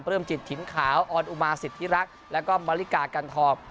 เริ่มจิตถิ่นขาวออนอุมาสิทธิรักษ์แล้วก็มาริกากันทอง